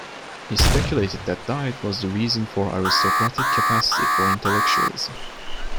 He speculated that diet was the reason for aristocratic capacity for intellectualism.